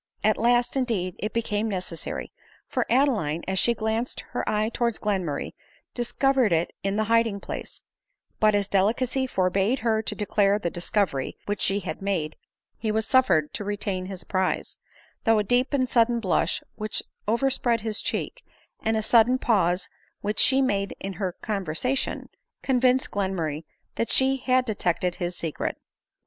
At last, indeed, it became necessary ; for Adeline, as she glanced her eye towards Glenmurray, discovered it in the biding place ; but, as delicacy forbade her to declare the discovery which she had made, he was suffered to retain his prize; though a deep and sudden blush which overspread his cheek, and a sudden pause which she made in her con versation, convinced Glenmurray that she had detected his secret.